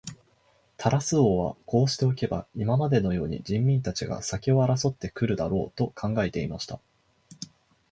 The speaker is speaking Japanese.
タラス王はこうしておけば、今までのように人民たちが先を争って来るだろう、と考えていました。